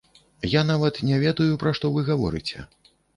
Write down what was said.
Я нават не ведаю, пра што вы гаворыце!